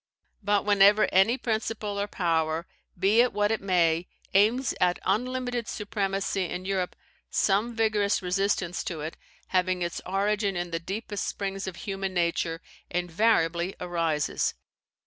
But whenever any principle or power, be it what it may, aims at unlimited supremacy in Europe, some vigorous resistance to it, having its origin in the deepest springs of human nature, invariably arises.